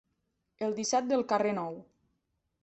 El disset del carrer Nou.